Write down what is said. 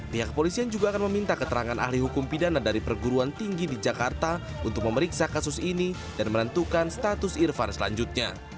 pihak polisian juga akan meminta keterangan ahli hukum pidana dari perguruan tinggi di jakarta untuk memeriksa kasus ini dan menentukan status irfan selanjutnya